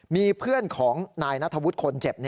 มีเพื่อนของนายนัทธวุฒิคนเจ็บ